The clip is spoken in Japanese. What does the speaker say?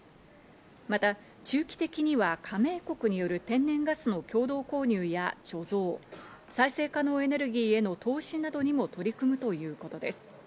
また、中期的には加盟国による天然ガスの共同購入や貯蔵、再生可能エネルギーへの投資などにも取り組むということです。